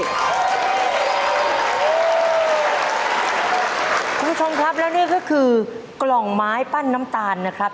คุณผู้ชมครับแล้วนี่ก็คือกล่องไม้ปั้นน้ำตาลนะครับ